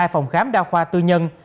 một mươi hai phòng khám đa khoa tư nhân